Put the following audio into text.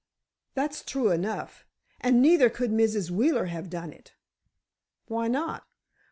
"That's true enough. And neither could Mrs. Wheeler have done it." "Why not?"